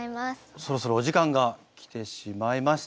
そろそろお時間が来てしまいました。